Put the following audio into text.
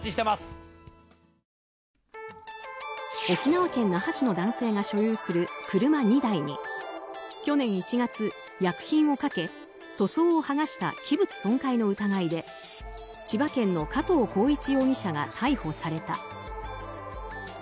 沖縄県那覇市の男性が所有する車２台に去年１月、薬品をかけ塗装を剥がした器物損壊の疑いで千葉県の加藤紘一容疑者が逮捕された。